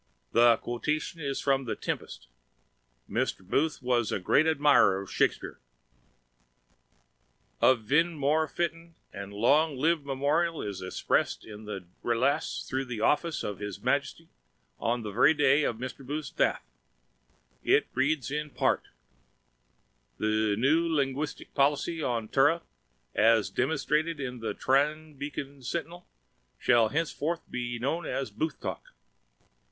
Th quotation is from Th Tmpst. Mr. Booth was a grat admirr of Shakspar. An vn mor fitting and long livd mmorial is xprssd in th dict rlasd through th offics of His Majsty on th vry day of Mr. Booth's dath. It reeds in part: "Th nw linguistic policy on Trra, as dmonstratd in th Trran Bacon Sntinl, shall hncforth b known as Boothtalk."